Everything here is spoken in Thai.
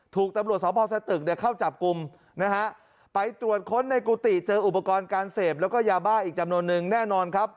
ถูกตำรวจสพสตึกเนี่ยเข้าจับกลุ่มนะฮะไปตรวจค้นในกุฏิเจออุปกรณ์การเสพแล้วก็ยาบ้าอีกจำนวนนึงแน่นอนครับ